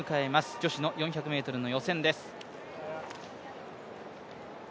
女子の４００ｍの予選です。